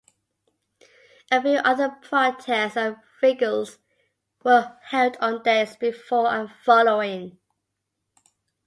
A few other protests and vigils were held on days before and following.